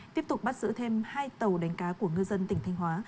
tiếp tục bắt giữ thêm hai tàu đánh cá của ngư dân tỉnh thanh hóa